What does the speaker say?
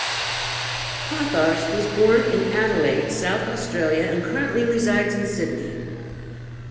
Pottharst was born in Adelaide, South Australia and currently resides in Sydney.